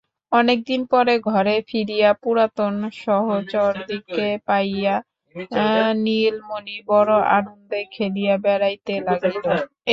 অনেকদিন পরে ঘরে ফিরিয়া পুরাতন সহচরদিগকে পাইয়া নীলমণি বড়ো আনন্দে খেলিয়া বেড়াইতে লাগিল।